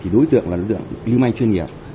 đối tượng là đối tượng lưu manh chuyên nghiệp